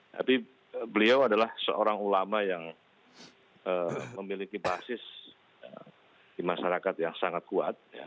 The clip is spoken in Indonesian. tapi beliau adalah seorang ulama yang memiliki basis di masyarakat yang sangat kuat